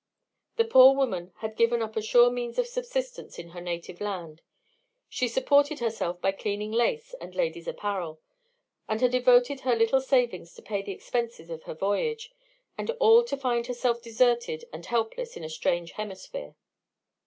The poor woman had given up a sure means of subsistence in her native land (she supported herself by cleaning lace and ladies' apparel), and had devoted her little savings to pay the expenses of her voyage, and all to find herself deserted and helpless in a strange hemisphere.